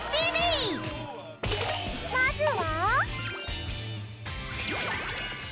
まずは。